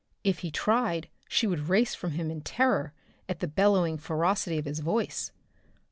If he tried she would race from him in terror at the bellowing ferocity of his voice.